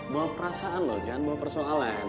bawa perasaan loh jangan mau persoalan